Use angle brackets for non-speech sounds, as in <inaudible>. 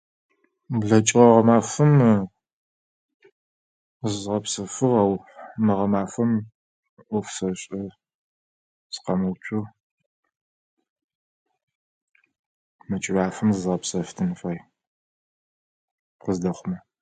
Блэкӏыгъэ гъэмафэм <hesitation> зызгъэпсэфыгъ ау, мы гъэмафэм ӏоф сэшӏэ сыкъэмыуцу. Мы кӏымафэм зызгъэпсэфытын фай, къыздэхъумэ.